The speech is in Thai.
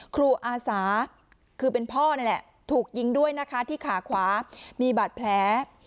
อาสาคือเป็นพ่อนั่นแหละถูกยิงด้วยนะคะที่ขาขวามีบาดแผล